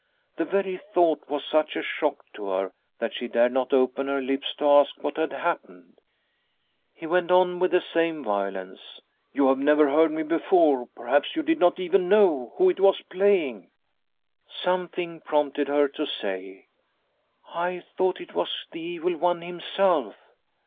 The very thought was such a shock to her, that she dared not open her lips to ask what had happened. He went on with the same violence :" You have never heard me before perhaps you did not even know who it was playing ?'' Something prompted her to say : "I thought it was the evil one himself."